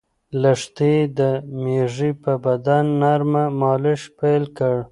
لښتې د مېږې په بدن نرمه مالش پیل کړ.